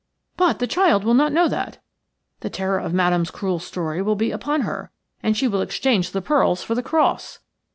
"But the child will not know that. The terror of Madame's cruel story will be upon her, and she will exchange the pearls for the cross."